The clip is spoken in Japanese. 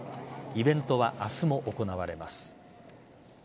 イベントは明日も行われます。